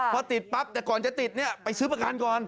พอติดปั๊บแต่ก่อนจะติดเนี่ยไปซื้อประกันก่อน